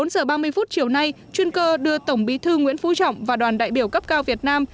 bốn giờ ba mươi phút chiều nay chuyên cơ đưa tổng bí thư nguyễn phú trọng và đoàn đại biểu cấp cao việt nam